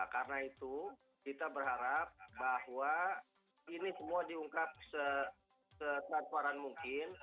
karena itu kita berharap bahwa ini semua diungkap setanparan mungkin